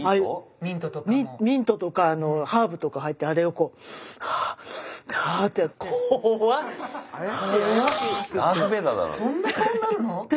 ミントとかハーブとか入ったあれをこう怖っ！そんな顔になるの？